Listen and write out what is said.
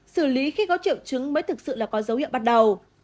xử lý khi có triệu chứng mới thực sự là có dấu hiệu bắt đầu